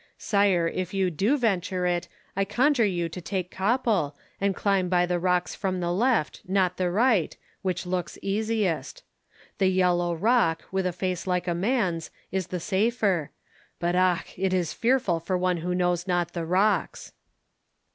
Sire, if you do venture it, I conjure you to take Koppel, and climb by the rocks from the left, not the right, which looks easiest. The yellow rock, with a face like a man's, is the safer; but ach, it is fearful for one who knows not the rocks."